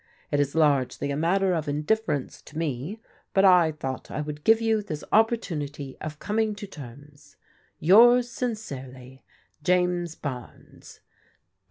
It is largely a matter of indifference to me, but I thought I would give you this opportunity of coming to terms. " Yours sincerely, "James Barnes.